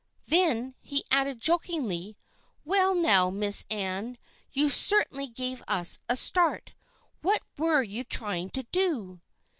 Then he added jokingly, "Well, now, Miss Ann, you certainly gave us a start. What were you trying to do?"